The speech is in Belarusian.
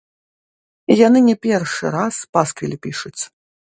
Яны не першы раз пасквілі пішуць.